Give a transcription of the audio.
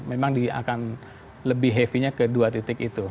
memang akan lebih heavy nya ke dua titik itu